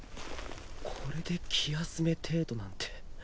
これで気休め程度なんて。